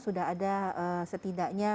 sudah ada setidaknya